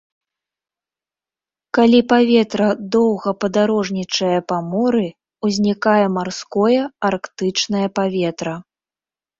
Калі паветра доўга падарожнічае па моры, узнікае марское арктычнае паветра.